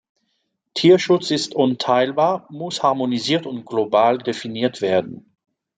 Tierschutz ist unteilbar, muss harmonisiert und global definiert werden.